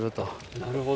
なるほど。